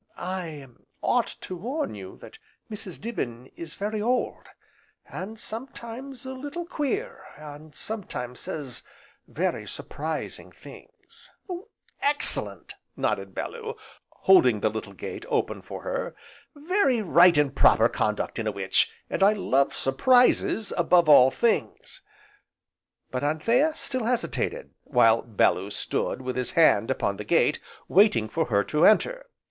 "I ought to warn you that Mrs. Dibbin is very old, and sometimes a little queer, and sometimes says very surprising things." "Excellent!" nodded Bellew, holding the little gate open for her, "very right and proper conduct in a witch, and I love surprises above all things." But Anthea still hesitated, while Bellew stood with his hand upon the gate, waiting for her to enter.